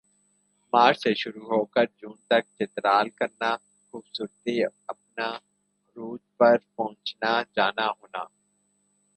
مارچ سے شروع ہوکر جون تک چترال کرنا خوبصورتی اپنا عروج پر پہنچنا جانا ہونا